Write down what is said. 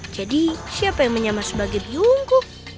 jadi siapa yang menyamar sebagai biungku